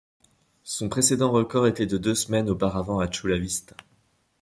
Son précédent record était de deux semaines auparavant à Chula Vista.